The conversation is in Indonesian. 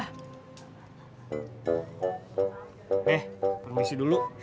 nih permisi dulu